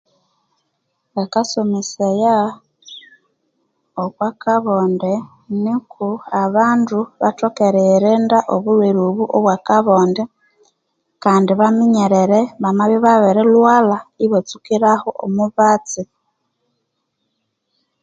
Bakasomesaya okwa kabonde nuko abandu bathoke eriyirinda obulhwere obu obwa akabonde kandi baminyerere bamabya obabiri lhwalha ibatsukiraho omubatsi.